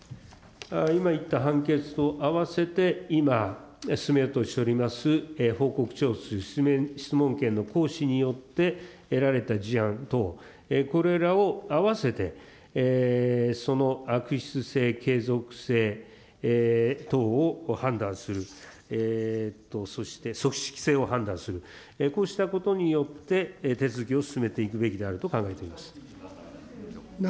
今言った判決とあわせて、今、進めようとしております報告書、質問権の行使によって得られた事案等、これらを合わせてその悪質性、継続性などを判断するそして組織性を判断する、こうしたことによって、手続きを進めていくべきであると考えています。